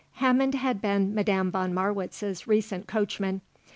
Hammond had been Madame von Marwitz's recent coachman.